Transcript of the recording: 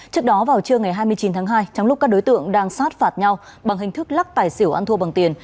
trước đó vào trưa ngày hai mươi chín tháng hai trong lúc các đối tượng đang sát phạt nhau bằng hình thức lắc tài xỉu ăn thua bằng tiền